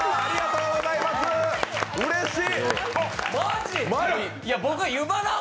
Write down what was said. うれしい！